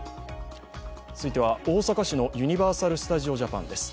続いては大阪市のユニバーサル・スタジオ・ジャパンです。